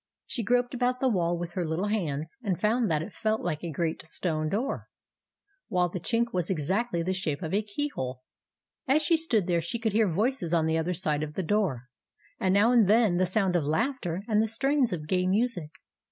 She groped about the wall with her lit tle hands, and found that it felt like a great stone door, while the chink was exactly the shape of a key hole. As she stood there, she could hear voices on the other side of the door, and now and then the sound of laughter and the strains of gay music.